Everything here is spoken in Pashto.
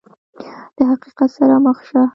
د حقیقت سره مخ شه !